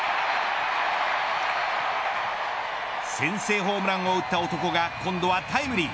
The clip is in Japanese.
先制ホームランを打った男が今度はタイムリー。